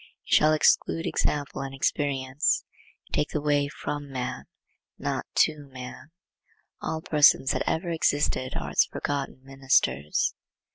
It shall exclude example and experience. You take the way from man, not to man. All persons that ever existed are its forgotten ministers.